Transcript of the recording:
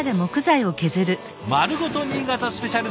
「まるごと新潟スペシャル」。